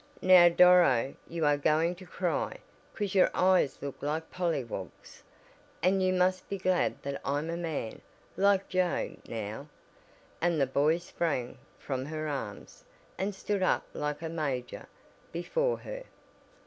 "Now Doro, you are going to cry, 'cause your eyes look like polly wogs. And you must be glad that I'm a man, like Joe, now," and the boy sprang from her arms, and stood up like a "major" before her.